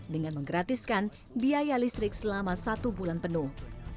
dengan menggratiskan biaya listrik selama satu bulan penuh